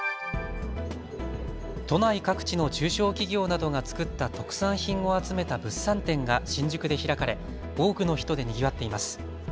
都内各地の中小企業などが作った特産品を集めた物産展が新宿で開かれ多くの人でにぎわっています。